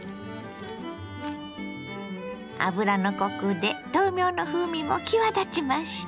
油のコクで豆苗の風味も際立ちました。